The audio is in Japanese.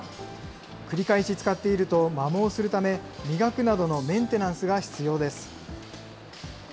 繰り返し使っていると摩耗するため、磨くなどのメンテナンスが必要です。